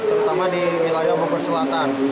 terutama di wilayah bogor selatan